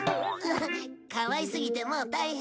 かわいすぎてもう大変。